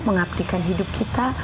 mengabdikan hidup kita